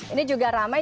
ini juga ramai